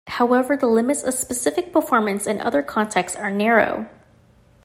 However, the limits of "specific performance" in other contexts are narrow.